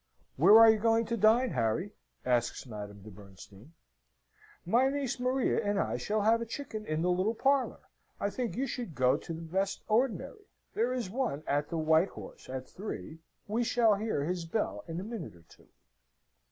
"Where are you going to dine, Harry?" asks Madame de Bernstein. "My niece Maria and I shall have a chicken in the little parlour I think you should go to the best ordinary. There is one at the White Horse at three, we shall hear his bell in a minute or two.